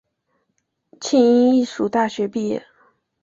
庆应义塾大学毕业。